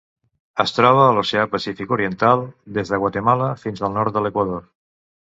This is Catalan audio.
Es troba a l'Oceà Pacífic oriental: des de Guatemala fins al nord de l'Equador.